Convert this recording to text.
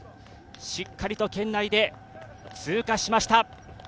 しっかりと圏内で通過しました。